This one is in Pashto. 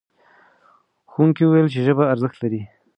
ښوونکي وویل چې ژبه ارزښت لري.